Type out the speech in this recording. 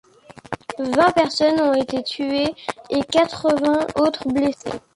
Vingt personnes ont été tuées et quatre-vingt autres blessées.